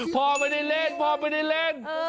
พ่อไม่ได้เล่นพ่อไม่ได้เล่น